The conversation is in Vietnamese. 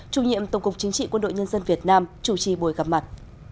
chủ nhiệm tổng cục chính trị quân đội nhân dân việt nam chủ trì buổi gặp mặt